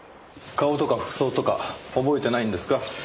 顔とか服装とか覚えてないんですか？